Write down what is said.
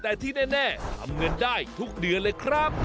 แต่ที่แน่ทำเงินได้ทุกเดือนเลยครับ